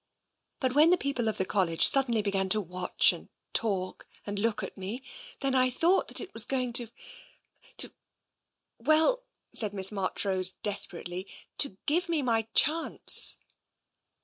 " But when the people at the College suddenly began to watch — and talk — and look at me — then I thought that it was going to — to — well," said Miss Marchrose desperately, " to give me my chance."